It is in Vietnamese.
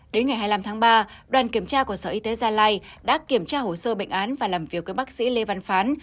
đến ngày hai mươi năm tháng ba đoàn kiểm tra của sở y tế gia lai đã kiểm tra hồ sơ bệnh án và làm việc với bác sĩ lê văn phán